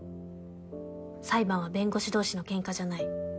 裁判は弁護士同士の喧嘩じゃない。